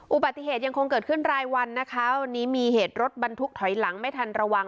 อุบัติเหตุยังคงเกิดขึ้นรายวันนะคะวันนี้มีเหตุรถบรรทุกถอยหลังไม่ทันระวัง